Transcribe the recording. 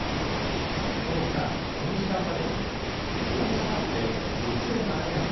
この他、この時間までに大阪府で６７０７人